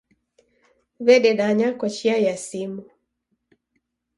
W'ededanya kwa chia ya simu.